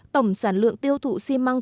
tổng sản lượng tiêu thụ xi măng